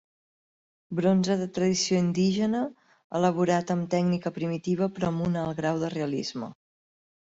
Bronze de tradició indígena, elaborat amb tècnica primitiva però amb un alt grau de realisme.